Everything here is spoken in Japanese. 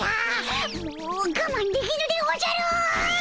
もうがまんできぬでおじゃる！